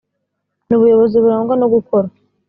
n ubuyobozi burangwa no gukora